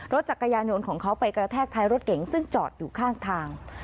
จักรยานยนต์ของเขาไปกระแทกท้ายรถเก๋งซึ่งจอดอยู่ข้างทาง